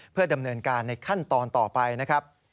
เพื่อดำเนินการในขั้นตอนต่อไปนะครับ